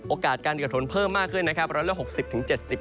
โอกาสการเกิดฝนเพิ่มมากขึ้นนะครับ๑๖๐๗๐